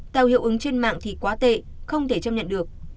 tạo hiệu ứng trên mạng thì quá tệ không thể chấp nhận được